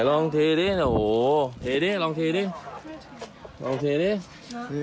โอ้มันคงไม่เป็นคนมี